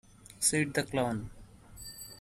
Said the Clown.